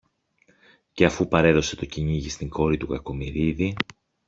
Και αφού παρέδωσε το κυνήγι στην κόρη του Κακομοιρίδη